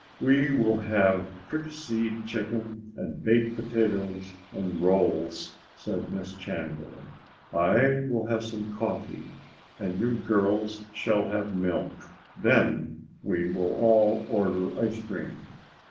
"We will have fricasseed chicken and baked potatoes and rolls," said Miss Chandler. "I will have some coffee and you girls shall have milk. Then we will all order ice cream."